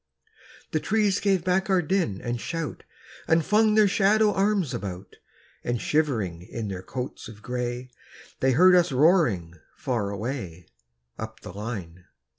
The trees gave back our din and shout, And flung their shadow arms about; And shivering in their coats of gray, They heard us roaring far away, Up the line.